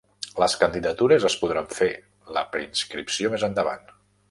Les candidatures es podran fer la preinscripció més endavant